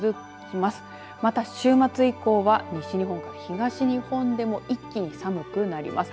また、週末以降は西日本から東日本でも一気に寒くなります。